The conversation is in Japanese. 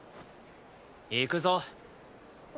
行くぞ。